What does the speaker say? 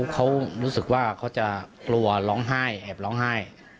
เขารู้สึกว่าเขาจะกลัวร้องไห้แอบร้องไห้